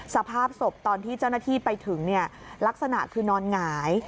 สภาพศพตอนที่เจ้าหน้าที่ไปถึงลักษณะคือนอนหงาย